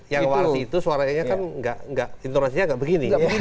yang waras itu suaranya kan intonasinya nggak begini